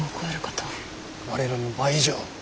我らの倍以上。